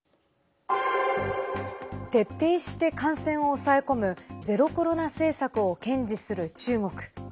徹底して感染を抑え込むゼロコロナ政策を堅持する中国。